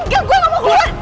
ya gue gak mau